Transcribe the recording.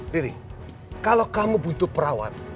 diri kalau kamu butuh perawat